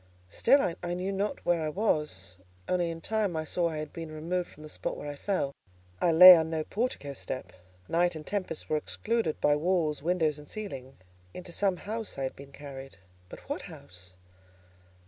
Still, I knew not where I was; only in time I saw I had been removed from the spot where I fell: I lay on no portico step; night and tempest were excluded by walls, windows, and ceiling. Into some house I had been carried—but what house?